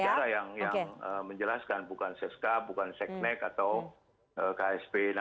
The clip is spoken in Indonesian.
itu jurubicara yang menjelaskan bukan sescap bukan setmec atau ksp